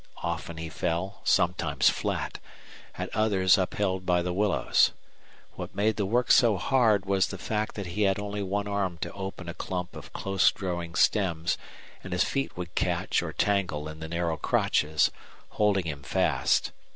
Often he fell, sometimes flat, at others upheld by the willows. What made the work so hard was the fact that he had only one arm to open a clump of close growing stems and his feet would catch or tangle in the narrow crotches, holding him fast.